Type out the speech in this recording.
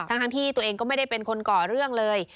ทั้งที่ตัวเองก็ไม่ได้เป็นคนก่อเรื่องเลย